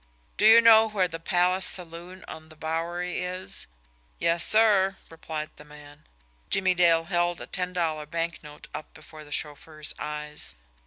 "Do you know where the Palace Saloon on the Bowery is?" "Yes, sir," replied the man. Jimmie Dale held a ten dollar bank note up before the chauffeur's eyes.